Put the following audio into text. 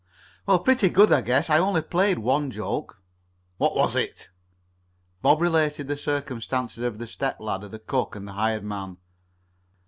"Well, pretty good, I guess. I only played one joke." "What was It?" Bob related the circumstances of the step ladder, the cook and the hired man.